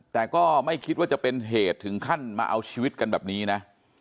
แต่ก็ไม่คิดว่าจะเป็นเหตุถึงขั้นมาเอาชีวิตกันแบบนี้นะ